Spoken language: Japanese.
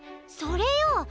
それよ！